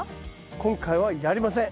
今回はやりません。